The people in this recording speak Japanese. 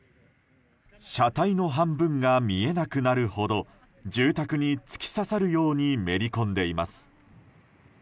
車体の半分が見えなくなるほど住宅に突き刺さるようにめり込んでいます。